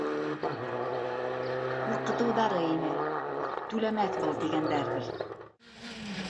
Ҡурҡытыуҙары ине, түләмәҫ был тигәндәрҙер.